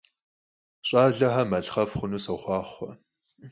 Ş'alexer malhxhef' xhunu soxhuaxhue!